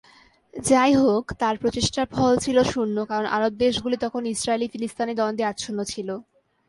যাই হোক, তার প্রচেষ্টার ফল ছিল শূন্য কারণ আরব দেশ গুলি তখন ইসরাইলি-ফিলিস্তিনি দ্বন্দ্বে আচ্ছন্ন ছিল।